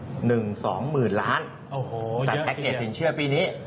โอ้โฮเยอะจากแพ็คเกจสินเชื่อปีนี้